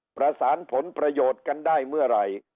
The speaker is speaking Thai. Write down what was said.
ประสานผลประโยชน์กันได้เมื่อไหร่